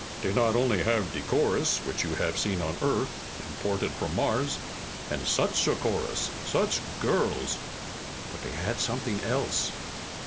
"They not only have de chorus, which you haf seen on Earth, imported from Mars and such a chorus! Such girls! But they had somet'ing else."